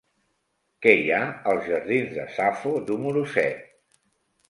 Què hi ha als jardins de Safo número set?